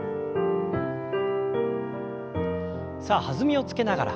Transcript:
さあ弾みをつけながら。